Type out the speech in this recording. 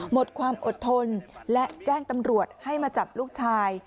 หมดความอดทนและแจ้งตำรวจให้มาจับลูกชาย